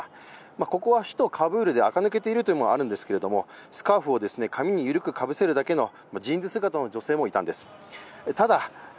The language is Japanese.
ここは首都カブールで垢抜けているというのもあるんですけれども、スカーフに髪を緩くかぶせるだけのジーンズ姿の女性もいました。